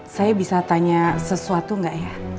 saya bisa tanya sesuatu nggak ya